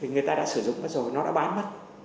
người ta đã sử dụng rồi nó đã bán mất